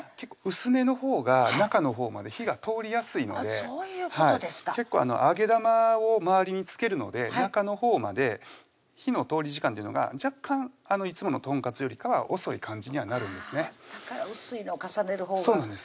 薄めのほうが中のほうまで火が通りやすいのでそういうことですか結構揚げ玉を周りに付けるので中のほうまで火の通り時間っていうのが若干いつもの豚かつよりかは遅い感じにはなるんですねだから薄いのを重ねるほうがそうなんです